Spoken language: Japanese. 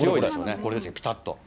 これですよ、ぴたっと。